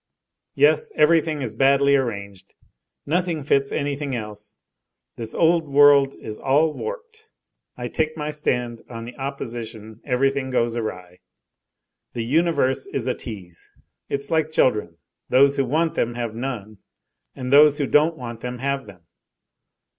Yes, everything is badly arranged, nothing fits anything else, this old world is all warped, I take my stand on the opposition, everything goes awry; the universe is a tease. It's like children, those who want them have none, and those who don't want them have them.